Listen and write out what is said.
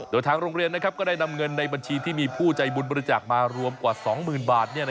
โดยทางโรงเรียนก็ได้นำเงินในบัญชีที่มีผู้ใจบุญบริจาคมารวมกว่า๒๐๐๐บาท